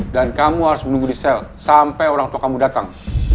dan kamu harus menunggu di sel sampai orang tua kamu datang